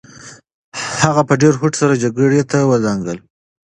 هغه په ډېر هوډ سره جګړې ته ودانګل.